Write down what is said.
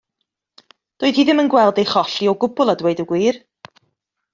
Doedd hi ddim yn gweld ei cholli o gwbl a dweud y gwir.